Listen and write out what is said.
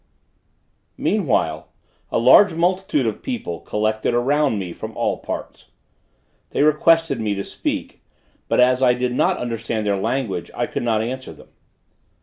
Meanwhile a large multitude of people collected around me from all parts. They requested me to speak; but as I did not understand their language I could not answer them.